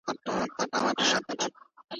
د افغانستان افغانۍ زموږ ملي هویت دی.